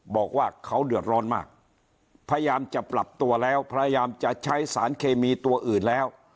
บอกว่าเขาเดือดร้อนมากพยายามจะปรับตัวแล้วพยายามจะใช้สารเคมีตัวอื่นแล้ว